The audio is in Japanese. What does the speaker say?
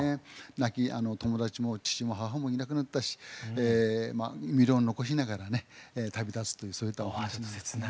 亡き友達も父も母もいなくなったし未練を残しながらね旅立つというそういったお話なんですね。